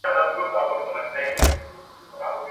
څراغ په ټوله کوټه کې رڼا خپره کړه.